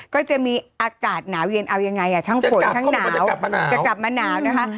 ก็จะมีอากาศหนาวเย็นเอายังไงทั้งฝนทั้งหนาวจะกลับมาหนาวนะคะ